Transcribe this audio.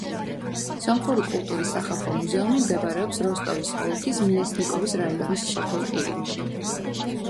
სომხური კულტურის სახალხო მუზეუმი მდებარეობს როსტოვის ოლქის მიასნიკოვის რაიონის სოფელ ყირიმში.